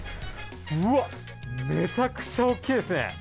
うわっ、めちゃくちゃ大きいですね。